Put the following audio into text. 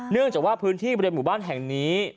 เนื่องจากว่าพื้นที่บริเวณหมู่บ้านแห่งนี้